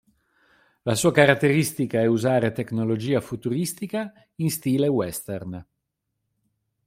La sua caratteristica è usare tecnologia futuristica in stile western.